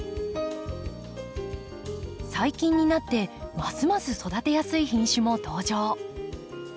最近になってますます育てやすい品種も登場。